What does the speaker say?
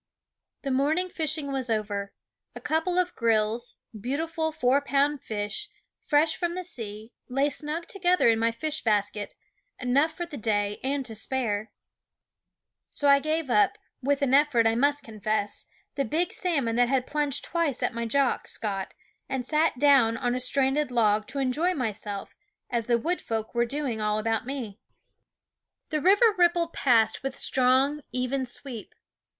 The morning fishing was over. A couple of grilse, beautiful four pound fish, fresh from the sea, lay snug together in my fish basket enough for the day and to spare. 309 SCHOOL OJF 310 Gfedsame So I gave up with an effort, I must con fess the big salmon that had plunged twice at my Jock Scott, and sat down on a stranded log to enjoy myself, as the wood folk were doing all about me. The river rippled past with strong, even sweep.